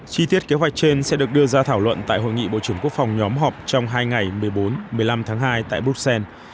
chi tiết kế hoạch trên sẽ được đưa ra thảo luận tại hội nghị bộ trưởng quốc phòng nhóm họp trong hai ngày một mươi bốn một mươi năm tháng hai tại bruxelles